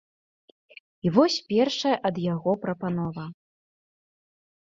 І вось першая ад яго прапанова.